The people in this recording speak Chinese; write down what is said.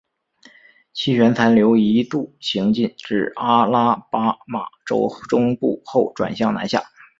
气旋残留一度行进至阿拉巴马州中部后转向南下。